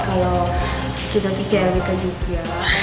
kalau kita di clbk juga